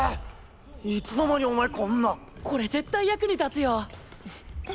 いつの間にお前こんな。これ絶対役に立つよ！